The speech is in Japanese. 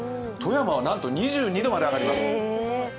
富山は、なんと２２度まで上がります